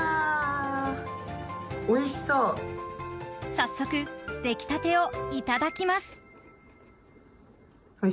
早速、出来たてをいただきます。